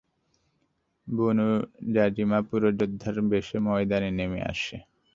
বনূ যাজিমা পুরো যোদ্ধার বেশে ময়দানে নেমে আসে।